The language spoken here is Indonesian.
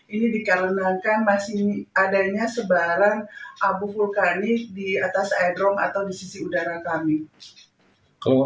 ini dikarenakan masih adanya sebaran abu vulkanik di atas edrome atau di sisi udara kami